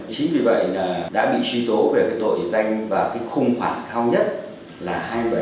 chính vì vậy đã bị truy tố về tội danh và khung khoảng cao nhất là hai mươi bảy